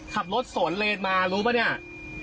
ขับรถสวนเลนมารู้ป่ะเนี่ย